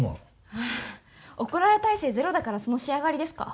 ああ、怒られ耐性ゼロだからその仕上がりですか？